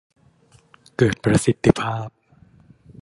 เกิดประสิทธิภาพ